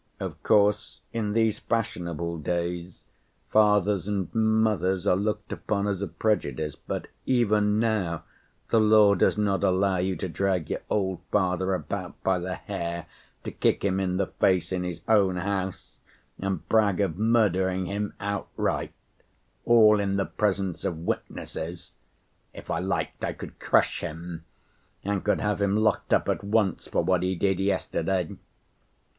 Of course in these fashionable days fathers and mothers are looked upon as a prejudice, but even now the law does not allow you to drag your old father about by the hair, to kick him in the face in his own house, and brag of murdering him outright—all in the presence of witnesses. If I liked, I could crush him and could have him locked up at once for what he did yesterday."